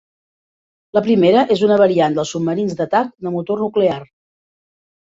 La primera és una variant dels submarins d'atac de motor nuclear.